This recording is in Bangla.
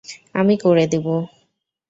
আমি করে দিব।